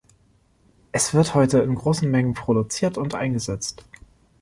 Es wird heute in großen Mengen produziert und eingesetzt.